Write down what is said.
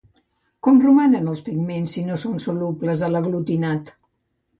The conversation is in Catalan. Com romanen els pigments si no són solubles a l'aglutinat?